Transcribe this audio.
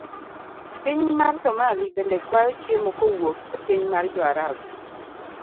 Piny mar somali bende kwayo chiemo kowuok epiny mar jo Arab.